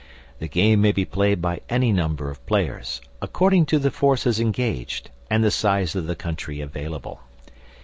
The game may be played by any number of players, according to the forces engaged and the size of the country available.